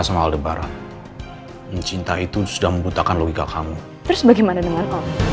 kamu cinta sama aldebaran mencintai itu sudah membutakan logika kamu terus bagaimana dengan